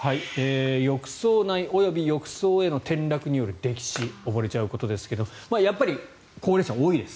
浴槽内及び浴槽への転落による溺死溺れちゃうことですがやっぱり高齢者多いです。